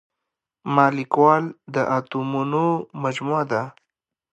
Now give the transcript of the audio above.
مالیکول د اتومونو مجموعه ده.